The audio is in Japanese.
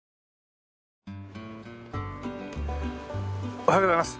おはようございます。